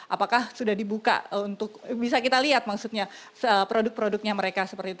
apakah sudah dibuka untuk bisa kita lihat maksudnya produk produknya mereka seperti itu